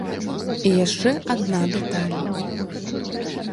І яшчэ адна дэталь.